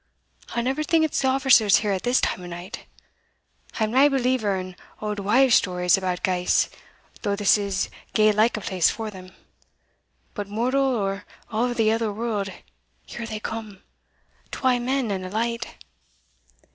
I'll never think it's the officers here at this time o' night. I am nae believer in auld wives' stories about ghaists, though this is gey like a place for them But mortal, or of the other world, here they come! twa men and a light."